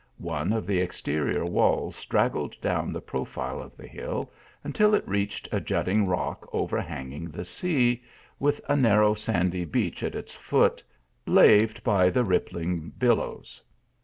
One of the ex terior walls straggled down the profile of the hill, until it reached a jutting rock overhanging the sea, with a narrow sandy beach at its foot, laved by the rippling billows.